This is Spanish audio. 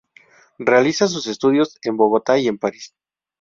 Realiza sus estudios en Bogotá y en París.